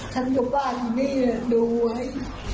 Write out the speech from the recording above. ฉันอยู่บ้านนี่ดูไว้